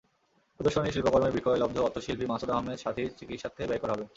প্রদর্শনীর শিল্পকর্মের বিক্রয়লব্ধ অর্থ শিল্পী মাসুদা আহমেদ সাথীর চিকিৎসার্থে ব্যয় করা হবে।